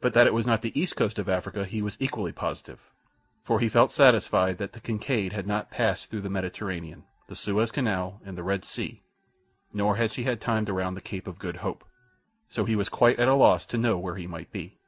But that it was not the east coast of Africa he was equally positive, for he felt satisfied that the Kincaid had not passed through the Mediterranean, the Suez Canal, and the Red Sea, nor had she had time to round the Cape of Good Hope. So he was quite at a loss to know where he might be.